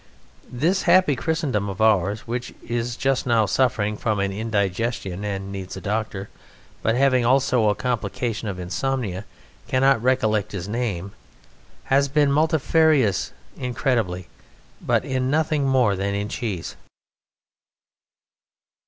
This happy Christendom of ours (which is just now suffering from an indigestion and needs a doctor but having also a complication of insomnia cannot recollect his name) has been multifarious incredibly but in nothing more than in cheese!